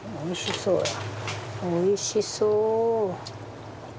おいしそう。